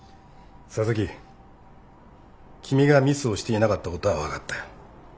佐々木君がミスをしていなかったことは分かったよ。